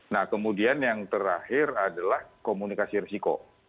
nah kemudian yang terakhir adalah komunikasi risiko